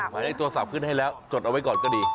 หมายเลขโทรศัพท์ขึ้นให้แล้วจดเอาไว้ก่อนก็ดี